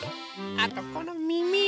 あとこのみみ！